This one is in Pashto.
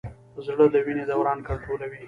زړه د وینې دوران کنټرولوي.